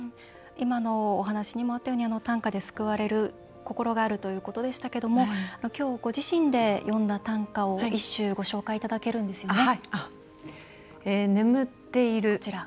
今のお話にもあったように短歌で救われる心があるということでしたがきょう、ご自身で詠んだ短歌を一首ご紹介いただけるんですよね。